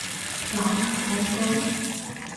打埋廣告？